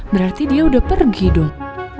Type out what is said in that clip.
berarti dia udah pergi dong